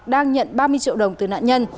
đang nhận ba mươi triệu đồng từ nạn nhân